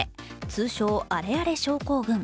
通称・アレアレ症候群。